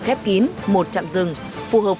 khép kín một chạm rừng phù hợp